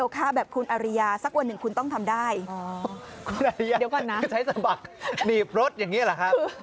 คุณอริยาใช้สะบักหนีบรถอย่างนี้หรือครับ